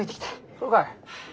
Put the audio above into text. そうかい。